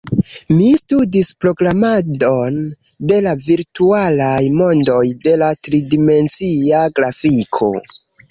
Mi studis programadon de la virtualaj mondoj, de la tridimencia grafiko